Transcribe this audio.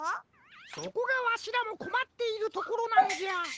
そこがわしらもこまっているところなんじゃ。